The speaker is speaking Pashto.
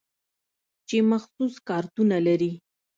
چې مخصوص کارتونه لري.